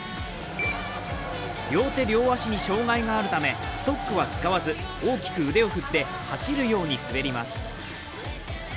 両手両足に障がいがあるためストックは使わず大きく腕を振って走るように滑ります。